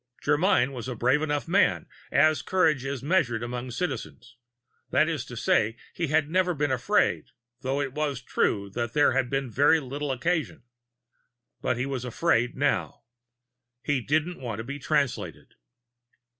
Germyn was a brave enough man, as courage is measured among Citizens. That is to say, he had never been afraid, though it was true that there had been very little occasion. But he was afraid now. He didn't want to be Translated.